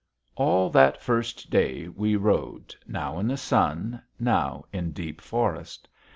All that first day we rode, now in the sun, now in deep forest.